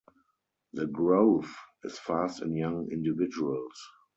The growth is fast in young individuals.